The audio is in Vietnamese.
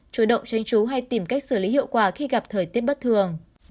chủ động tránh trú hay tìm cách xử lý hiệu quả khi gặp thời tiết bất thường